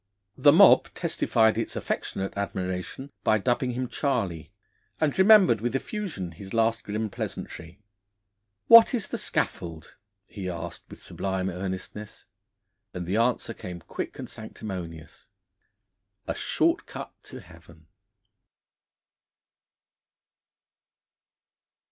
The mob testified its affectionate admiration by dubbing him 'Charley,' and remembered with effusion his last grim pleasantry. 'What is the scaffold?' he asked with sublime earnestness. And the answer came quick and sanctimonious: 'A short cut to Heaven!'